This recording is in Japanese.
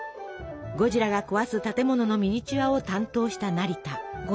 ゴジラが壊す建物のミニチュアを担当した成田。